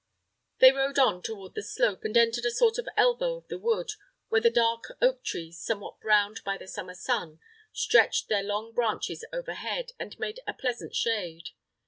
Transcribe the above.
They rode on toward the slope, and entered a sort of elbow of the wood, where the dark oak trees, somewhat browned by the summer sun, stretched their long branches overhead, and made a pleasant shade.